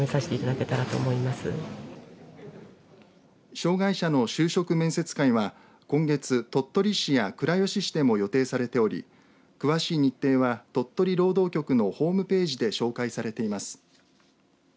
障害者の就職面接会は今月、鳥取市や倉吉市でも予定されており詳しい日程は鳥取労働局のホームページで紹介されています。